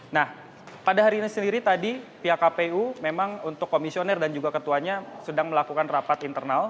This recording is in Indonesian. nah pada hari ini sendiri tadi pihak kpu memang untuk komisioner dan juga ketuanya sedang melakukan rapat internal